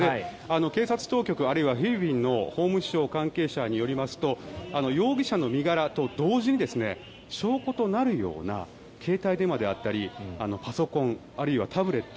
警察当局、あるいはフィリピンの法務省関係者によりますと容疑者の身柄と同時に証拠となるような携帯電話であったりパソコンあるいはタブレット。